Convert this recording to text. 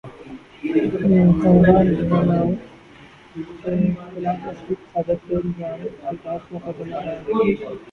کنگنا رناوٹ کے خلاف مذہبی فسادات کرانے کے الزام کے تحت مقدمہ دائر